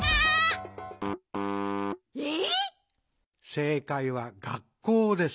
「せいかいは学校です」。